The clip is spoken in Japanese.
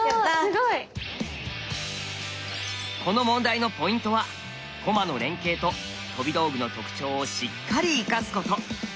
この問題のポイントは「駒の連係」と「飛び道具の特徴をしっかり生かす」こと。